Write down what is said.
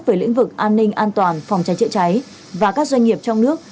về lĩnh vực an ninh an toàn phòng cháy chữa cháy và các doanh nghiệp trong nước